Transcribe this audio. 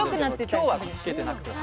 今日はつけてなくて。